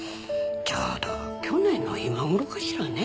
ちょうど去年の今頃かしらね。